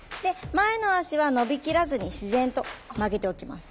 前の足は伸び切らずに自然と曲げておきます。